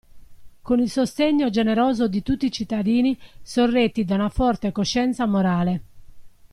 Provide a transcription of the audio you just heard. Con il sostegno generoso di tutti i cittadini, sorretti da una forte coscienza morale.